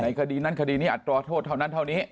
คดีนั้นคดีนี้อัตราโทษเท่านั้นเท่านี้